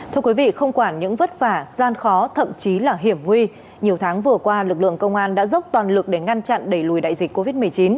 thưa quý vị không quản những vất vả gian khó thậm chí là hiểm nguy nhiều tháng vừa qua lực lượng công an đã dốc toàn lực để ngăn chặn đẩy lùi đại dịch covid một mươi chín